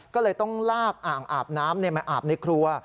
ก็เลยต้องลากอ่างอาบน้ำมาอาบในครัว